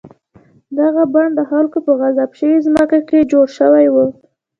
دغه بڼ د خلکو په غصب شوې ځمکه کې جوړ شوی و.